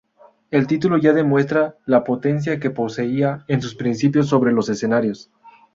El título ya demuestra la potencia que poseía en sus principios sobre los escenarios.